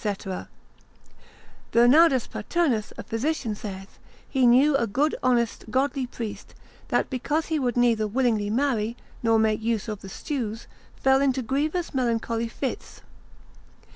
Bernardus Paternus, a physician, saith, He knew a good honest godly priest, that because he would neither willingly marry, nor make use of the stews, fell into grievous melancholy fits.